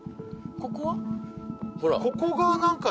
ここは？